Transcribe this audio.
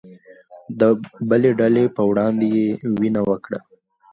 د بلې ډلې په وړاندې يې وينه وکړه